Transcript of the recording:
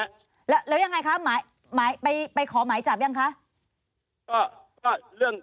แล้วแล้วยังไงคะหมายหมายไปไปขอหมายจับยังคะก็ก็เรื่อง